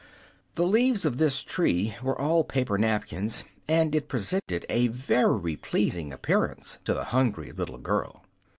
The leaves of this tree were all paper napkins, and it presented a very pleasing appearance to the hungry little girl.